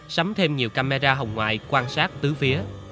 sắm thêm nhiều camera hồng ngoại quan sát từ phía